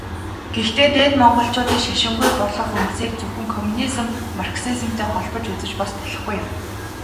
Гэхдээ Дээд Монголчуудын шашингүй болох үндсийг зөвхөн коммунизм, марксизмтай холбон үзэж бас болохгүй юм.